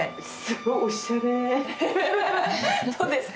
すごい、おしゃれ。